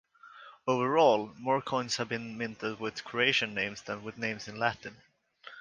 Overall more coins have been minted with Croatian names than with names in Latin.